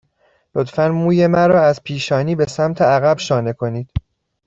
لطفاً موی مرا از پیشانی به سمت عقب شانه کنید.